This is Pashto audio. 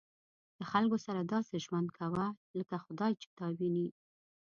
د خلکو سره داسې ژوند کوه لکه خدای چې تا ویني.